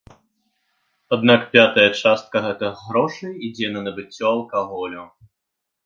Аднак пятая частка гэтых грошай ідзе на набыццё алкаголю.